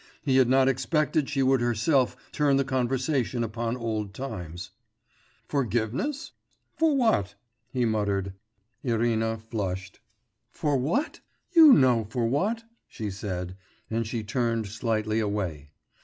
He had not expected she would herself turn the conversation upon old times. 'Forgiveness ... for what?' ... he muttered. Irina flushed. 'For what? ... you know for what,' she said, and she turned slightly away.